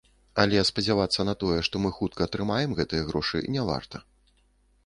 Але спадзявацца на тое, што мы хутка атрымаем гэтыя грошы, не варта.